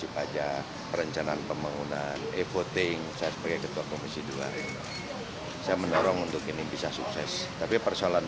pemeriksaan iktp ini dilakukan oleh agus martowadoyo